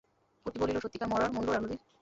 পুটি বলিল, সত্যিকার মড়ার মুণ্ড রানুদি?